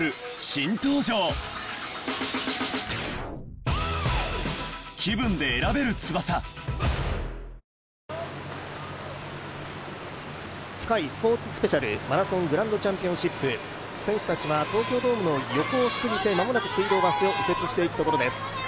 現在は外堀通りをＳｋｙスポーツスペシャルマラソングランドチャンピオンシップ選手たちは東京ドームの横を過ぎて間もなく水道橋を右折していくところです。